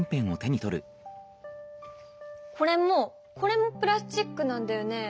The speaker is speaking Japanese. これもこれもプラスチックなんだよね？